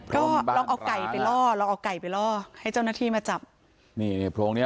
ก็ลองเอาไก่ไปล่อลองเอาไก่ไปล่อให้เจ้าหน้าที่มาจับนี่เนี่ยโพรงเนี้ย